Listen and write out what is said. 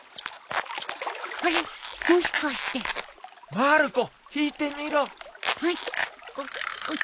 まる子引いてみろ。はいっ。